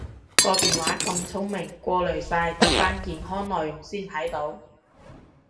個電話咁聰明過濾晒得返健康內容先睇到？